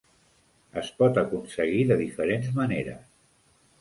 Es pot aconseguir de diferents maneres.